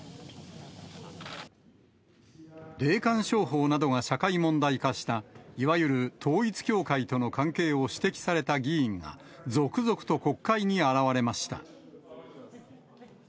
霊感商法などが社会問題化した、いわゆる統一教会との関係を指摘された議員が、続々と国会に現れました。